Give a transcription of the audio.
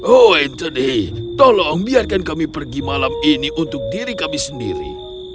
oh anthony tolong biarkan kami pergi malam ini untuk diri kami sendiri